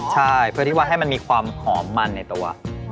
ใช่เพื่อที่ว่าให้มันมีความหอมมันในตัว